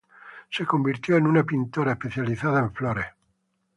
Se convirtió en una pintora especializada en flores.